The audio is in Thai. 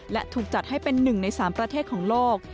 และถูกจัดให้เป็น๑ใน๓ประเทศของโลก